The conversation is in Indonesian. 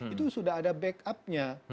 itu sudah ada backupnya